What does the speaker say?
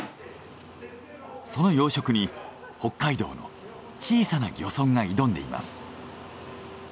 その養殖に北海道の小さな漁村が挑んでいます。